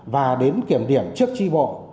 và đến kiểm điểm trước tri bộ